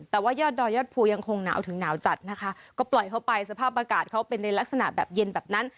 แต่ว่ายอดดอยยอดภูยังคงหนาวถึงหนาวจัดนะคะก็ปล่อยเข้าไปสภาพอากาศเขาเป็นในลักษณะแบบเย็นแบบนั้น